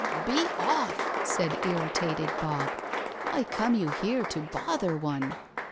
"Be off!" said irritated BOB. "Why come you here to bother one?